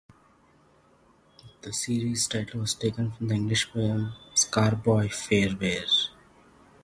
The series' title was taken from the English poem "Scarborough Fayre".